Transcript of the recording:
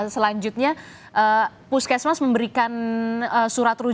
selanjutnya puskesmas memberikan surat